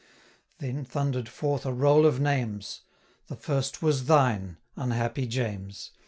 Then thundered forth a roll of names: The first was thine, unhappy James!